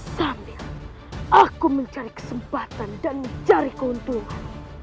sambil aku mencari kesempatan dan mencari keuntungan